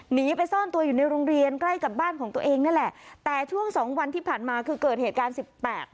หนีไปซ่อนตัวอยู่ในโรงเรียนใกล้กับบ้านของตัวเองนั่นแหละแต่ช่วงสองวันที่ผ่านมาคือเกิดเหตุการณ์สิบแปด